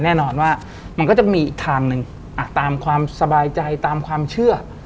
แน่นอนว่ามันก็จะมีอีกทางหนึ่งตามความสบายใจตามความเชื่อ